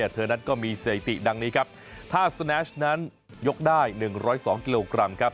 เธอนั้นก็มีสถิติดังนี้ครับถ้าสแนชนั้นยกได้๑๐๒กิโลกรัมครับ